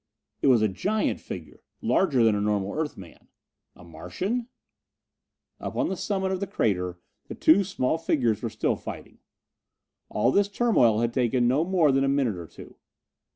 It was a giant figure, larger than a normal Earthman. A Martian? Up on the summit of the crater the two small figures were still fighting. All this turmoil had taken no more than a minute or two.